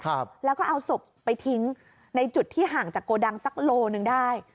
ครับแล้วก็เอาศพไปทิ้งในจุดที่ห่างจากโกดังสักโลหนึ่งได้